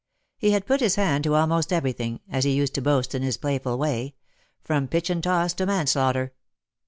He had put his hand to almost everything, as he used to boast in his playful way, " from pitch and toss to manslaughter."